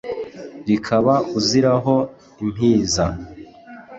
rikaba uziraho impiza